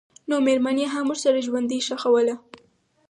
نومېرمن یې هم ورسره ژوندۍ ښخوله.